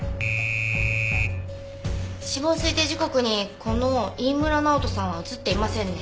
死亡推定時刻にこの飯村直人さんは映っていませんね。